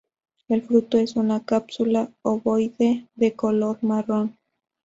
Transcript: El fruto es una cápsula ovoide, de color marrón.